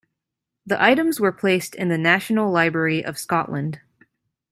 The items were placed in the National Library of Scotland.